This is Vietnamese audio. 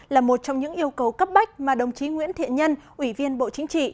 là một trong những yêu cầu cấp bách mà đồng chí nguyễn thiện nhân ủy viên bộ chính trị